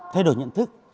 thay đổi nhận thức